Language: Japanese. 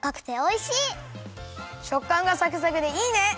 しょっかんがサクサクでいいね！